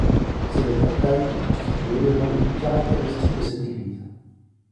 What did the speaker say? C'est le portail qui constitue l'élément le plus caractéristique de cette église.